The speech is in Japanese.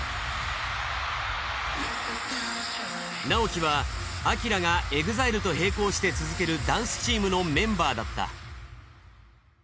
直己はＡＫＩＲＡがＥＸＩＬＥと並行して続けるダンスチームのメンバーだった。